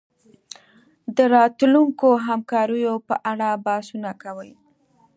د راتلونکو همکاریو په اړه بحثونه کوي